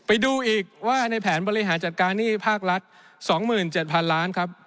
ไปดูอีกว่าในแผนบริหารจัดการหนี้ภาครัฐ๒๗๐๐๐ล้านครับ